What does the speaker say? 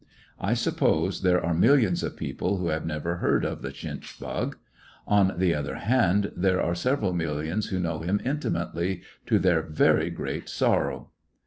I suppose there are millions of people who have never heard of the chinch bug. On the other hand, there are several millions who know him intimately to 145 ^ecoUections of a their very great sorrow.